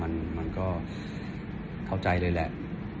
มันก็เข้าใจเลยแหละ